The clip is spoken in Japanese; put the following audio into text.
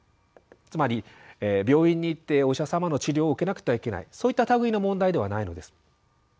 つまり病院に行ってお医者様の治療を受けなくてはいけないそういった類いの問題ではないのです。